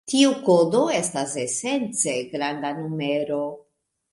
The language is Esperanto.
Tiu kodo estas esence granda numero.